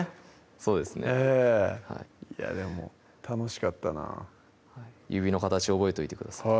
そうですねいやでも楽しかったな指の形覚えといてください